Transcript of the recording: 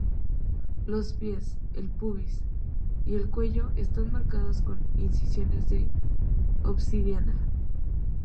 Los pies, el pubis y el cuello están marcados con incisiones de obsidiana.